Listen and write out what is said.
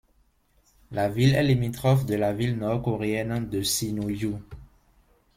La ville est limitrophe de la ville nord-coréenne de Sinuiju.